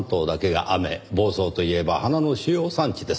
房総といえば花の主要産地です。